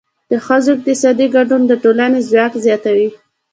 د ښځو اقتصادي ګډون د ټولنې ځواک زیاتوي.